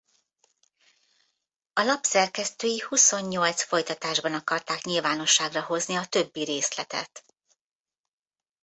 A lap szerkesztői huszonnyolc folytatásban akarták nyilvánosságra hozni a többi részletet.